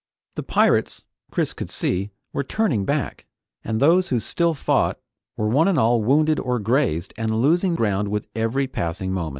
The pirates, Chris could see, were turning back, and those who still fought were one and all wounded or grazed, and losing ground with every passing moment.